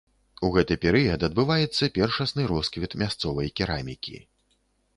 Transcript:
У гэты перыяд адбываецца першасны росквіт мясцовай керамікі.